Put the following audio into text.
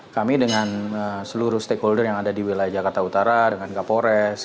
kami dengan seluruh stakeholder yang ada di wilayah jakarta utara dengan kapolres